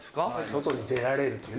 外に出られるというね。